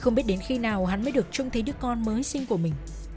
không biết đến khi nào hắn mới được chung thấy đứa con mới sinh của mình